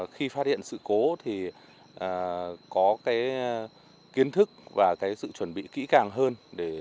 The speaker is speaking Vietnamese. khi phát hiện sự cố thì có kiến thức và sự chuẩn bị kỹ càng hơn